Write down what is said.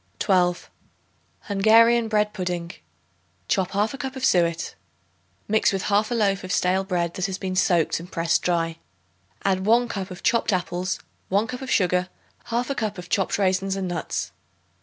12. Hungarian Bread Pudding. Chop 1/2 cup of suet. Mix with 1/2 loaf of stale bread that has been soaked and pressed dry. Add 1 cup of chopped apples, 1 cup of sugar, 1/2 cup of chopped raisins and nuts.